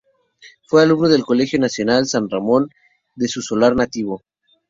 Fue alumno del Colegio Nacional San Ramón de su solar nativo.